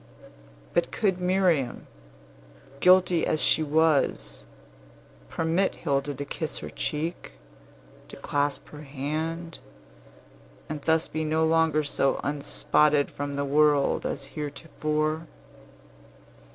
But could Miriam, guilty as she was, permit Hilda to kiss her cheek, to clasp her hand, and thus be no longer so unspotted from the world as heretofore.